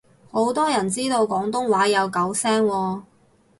好多人知道廣東話有九聲喎